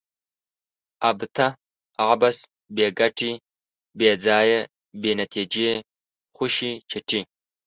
ابته ؛ عبث، بې ګټي، بې ځایه ، بې نتیجې، خوشي چټي